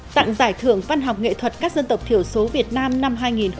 tặng giải thưởng văn học nghệ thuật các dân tộc thiểu số việt nam năm hai nghìn một mươi chín